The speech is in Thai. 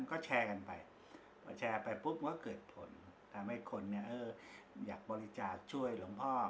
ก็แชร์กันไปพอแชร์ไปปุ๊บก็เกิดผลทำให้คนอยากบริจาคช่วยหลวงพ่อ